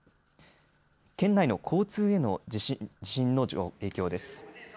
県内の交通への地震の影響です。